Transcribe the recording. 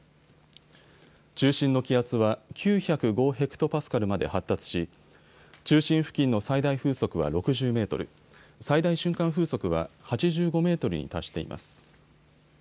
中心の気圧は９０５ｈＰａまで発達し、中心付近の最大風速は６０メートル、最大瞬間風速は８５メートルに達しています。